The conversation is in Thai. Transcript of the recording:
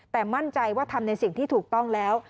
แต่มั่นใจว่าทำในสิ่งที่ถูกต้องแล้ว